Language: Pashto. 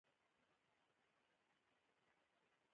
مشر د ټولني د لارښود په حيث پيژندل کيږي.